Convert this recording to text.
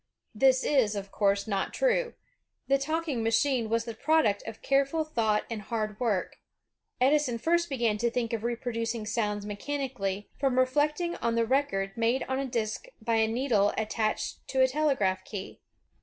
This is, of course, not true. The talking machine was the product of careful thought and hard work. Edison first began to think of reproducing sounds me chanically, from reflecting on the record made on a disk by a needle attached to a telegraph key.